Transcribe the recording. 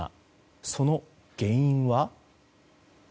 その原因は？